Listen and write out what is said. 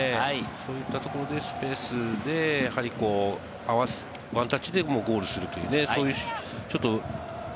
そういったところで、スペースで合わせ、ワンタッチでゴールする。